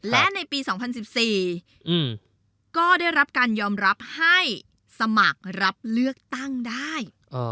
และในปี๒๐๑๔ก็ได้รับการยอมรับให้สมัครรับเลือกตั้งได้